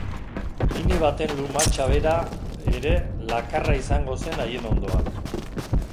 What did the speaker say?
Nini baten lumatxa bera ere lakarra izango zen haien ondoan.